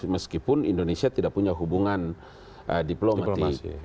meskipun indonesia tidak punya hubungan diplomatik